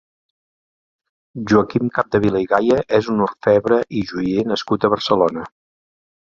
Joaquim Capdevila i Gaya és un orfebre i joier nascut a Barcelona.